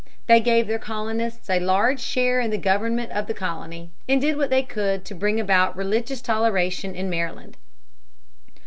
They gave their colonists a large share in the government of the colony and did what they could to bring about religious toleration in Maryland.